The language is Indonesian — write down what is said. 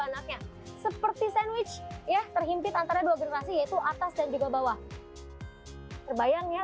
anaknya seperti sandwich ya terhimpit antara dua generasi yaitu atas dan juga bawah terbayang ya